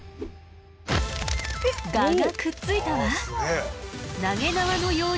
蛾がくっついたわ！